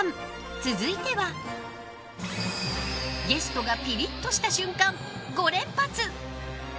続いては、ゲストがピリッとした瞬間、５連発。